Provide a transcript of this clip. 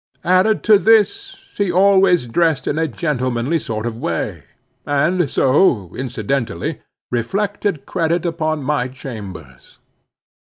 Added to this, he always dressed in a gentlemanly sort of way; and so, incidentally, reflected credit upon my chambers.